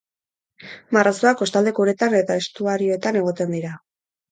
Marrazoak kostaldeko uretan eta estuarioetan egoten dira.